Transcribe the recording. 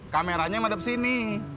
kameranya yang hadap sini